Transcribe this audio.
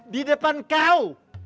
di depan kau